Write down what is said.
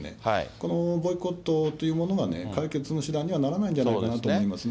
このボイコットというものがね、解決の手段にはならないんじゃないかなと思いますね。